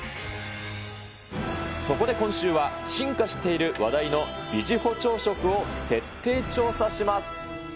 そこで今週は、進化している話題のビジホ朝食を徹底調査します。